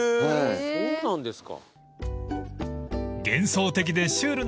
そうなんですか。